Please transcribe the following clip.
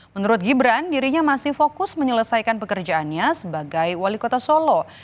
menurut gibran dirinya masih fokus menyelesaikan pekerjaannya sebagai wali kota solo